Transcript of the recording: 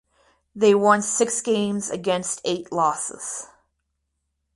They won six games against eight losses.